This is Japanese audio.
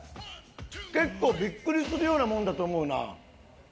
結構びっくりするようなもんだと思うな。